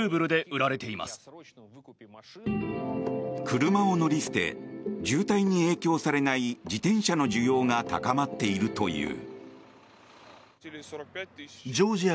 車を乗り捨て渋滞に影響されない自転車の需要が高まっているという。